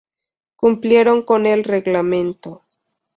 Cumplieron con el reglamento.